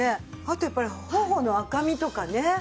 あとやっぱり頬の赤みとかね。